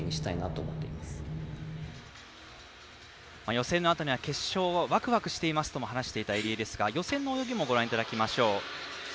予選のあとには決勝ワクワクしていますとも話していた入江ですが予選の泳ぎもご覧いただきましょう。